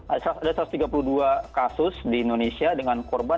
ada satu ratus tiga puluh dua kasus di indonesia dengan korban empat lima ratus